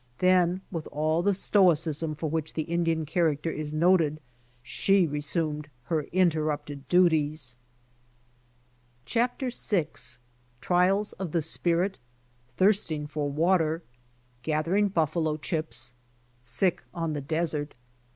Then with all the stoicism for which the Indian character is noted, she resumed her inter rupted duties. CHAPTER VI TRIALS OF THE SPIRIT. — I'HIRSTING FOR WATER. — GATH ERING BUFFALO CHIPS. — SICK ON THE DESERT.